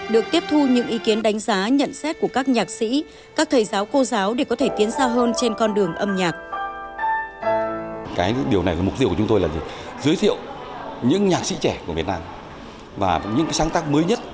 được tiếp thu những ý kiến đánh giá nhận xét của các nhạc sĩ các thầy giáo cô giáo để có thể tiến xa hơn trên con đường âm nhạc